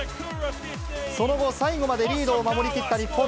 その後、最後までリードを守り切った日本。